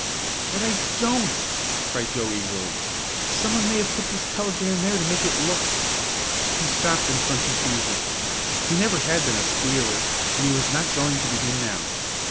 "But I don't!" cried Joe eagerly. "Someone may have put this telegram there to make it look " He stopped in some confusion. He never had been a "squealer," and he was not going to begin now.